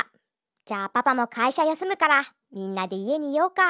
じゃあパパもかいしゃやすむからみんなでいえにいようか。